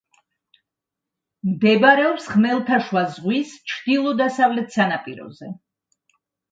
მდებარეობს ხმელთაშუა ზღვის ჩრდილო-დასავლეთ სანაპიროზე.